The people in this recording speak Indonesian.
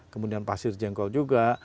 kemudian pasir jengkol juga